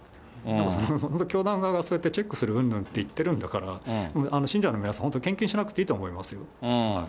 本当、教団側がチェックするうんぬんって言ってるんだから、信者の皆さん、本当、献金しなくていいと思いますよ。